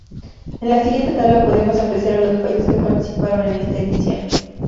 En la siguiente tabla podemos apreciar a los países que participaron en esta edición